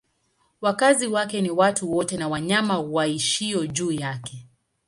Wakazi wake ni watu wote na wanyama waishio juu yake.